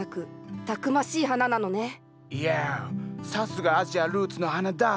さすがアジアルーツの花だね。